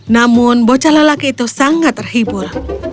namun bocah lelaki itu sangat terhibur